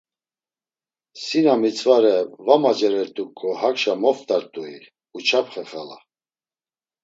“Si na mitzvare va macerert̆uǩo hakşa moft̆ort̆ui Uçapxe xala?”